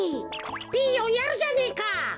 ピーヨンやるじゃねえか。